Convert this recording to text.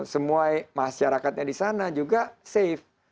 semua masyarakat yang di sana juga safe